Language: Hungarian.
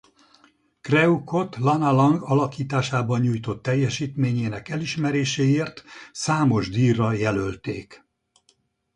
Kreukot Lana Lang alakításában nyújtott teljesítményének elismeréséért számos díjra jelölték.